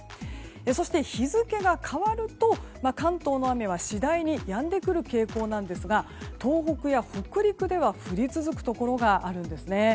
そして、日付が変わると関東の雨は次第にやんでくる傾向なんですが東北や北陸では降り続くところがあるんですね。